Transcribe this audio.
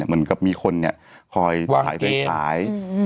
เหมือนกับมีคนคอยขายไฟขาย